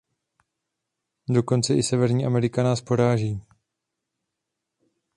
Dokonce i Severní Amerika nás poráží.